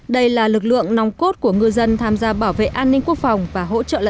đây là lực lượng nong cốt của ngư dân tham gia bảo vệ an ninh quốc phòng và hỗ trợ lẫn nhau trên biển